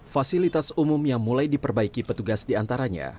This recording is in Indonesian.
fasilitas umum yang mulai diperbaiki petugas diantaranya